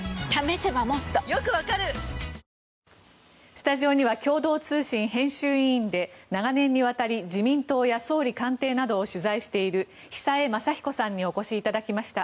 スタジオには共同通信編集委員で長年にわたり自民党や総理官邸などを取材している久江雅彦さんにお越しいただきました。